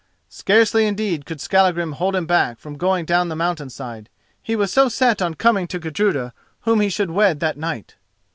Scarcely, indeed, could Skallagrim hold him back from going down the mountain side, he was so set on coming to Gudruda whom he should wed that night.